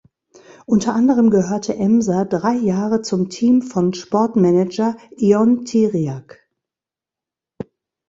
Unter anderem gehörte Emser drei Jahre zum Team von Sportmanager Ion Țiriac.